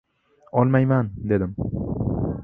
— Olmayman... — dedim.